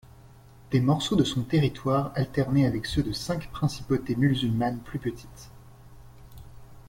Des morceaux de son territoire alternaient avec ceux de cinq principautés musulmanes plus petites.